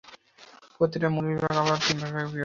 প্রত্যেকটি মূল বিভাগ আবার তিন ভাগে বিভক্ত।